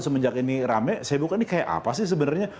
semenjak ini rame saya buka ini kayak apa sih sebenarnya